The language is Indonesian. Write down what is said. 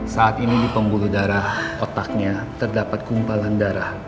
saat ini di pembuluh darah otaknya terdapat kumpalan darah